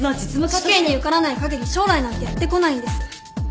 試験に受からない限り将来なんてやって来ないんです。